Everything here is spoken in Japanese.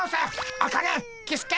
アカネキスケ！